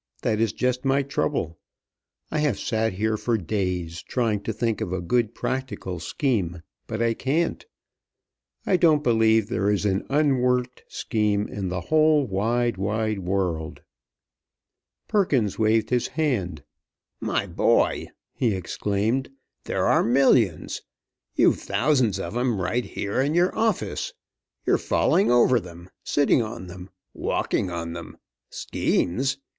"That is just my trouble. I have sat here for days trying to think of a good, practical scheme, but I can't. I don't believe there is an unworked scheme in the whole wide, wide world." Perkins waved his hand. "My boy," he exclaimed, "there are millions! You've thousands of 'em right here in your office! You're falling over them, sitting on them, walking on them! Schemes?